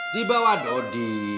di bawah dodi